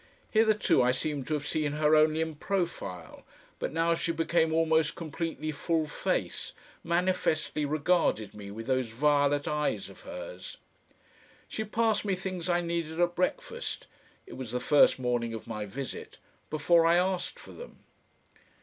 Hitherto I seemed to have seen her only in profile, but now she became almost completely full face, manifestly regarded me with those violet eyes of hers. She passed me things I needed at breakfast it was the first morning of my visit before I asked for them.